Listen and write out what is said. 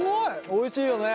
おいしいよね！